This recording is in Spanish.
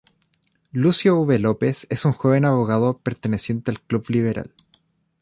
Lucio V. López es un joven abogado perteneciente al Club Liberal.